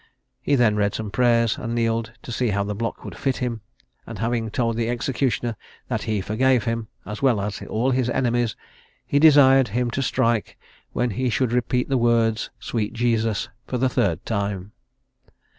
He then read some prayers, and kneeled to see how the block would fit him; and having told the executioner that he forgave him, as well as all his enemies, he desired him to strike when he should repeat the words "SWEET JESUS" the third time.